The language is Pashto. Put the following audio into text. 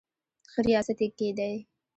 ښه ریاست یې کېدی.